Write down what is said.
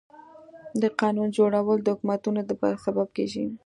د قانون جوړول د حکومتونو د پايښت سبب کيږي.